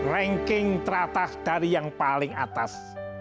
ranking teratas dari yang paling atas